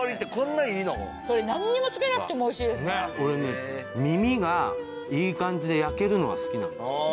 俺ね耳がいい感じで焼けるのが好きなんですよ。